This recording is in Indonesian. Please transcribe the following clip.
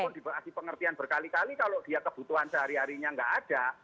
tapi pun diberi pengertian berkali kali kalau dia kebutuhan sehari harinya nggak ada